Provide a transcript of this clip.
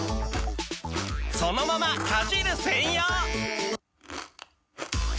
そのままかじる専用！